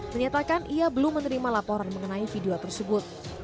menyatakan ia belum menerima laporan mengenai video tersebut